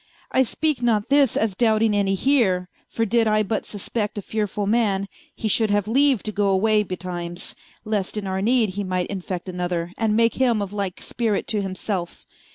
I speake not this, as doubting any here: For did I but suspect a fearefull man, He should haue leaue to goe away betimes, Least in our need he might infect another, And make him of like spirit to himselfe.